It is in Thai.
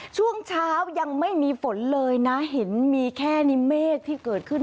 ช่วงเช้ายังไม่มีฝนเลยนะเห็นมีแค่นิเมฆที่เกิดขึ้น